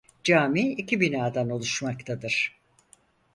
Cami iki binadan oluşmaktadır.